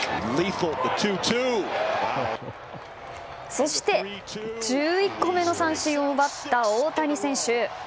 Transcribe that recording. そして、１１個目の三振を奪った大谷選手。